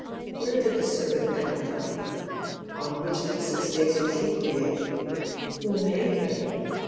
Where did the serpent come from? On which of the six days was he created? Who made him?